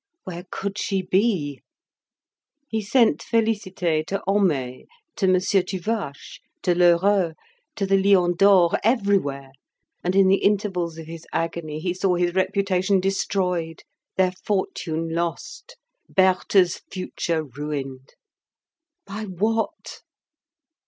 Where could she be? He sent Félicité to Homais, to Monsieur Tuvache, to Lheureux, to the "Lion d'Or," everywhere, and in the intervals of his agony he saw his reputation destroyed, their fortune lost, Berthe's future ruined. By what?